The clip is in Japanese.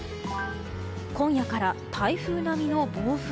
今夜から台風並みの暴風。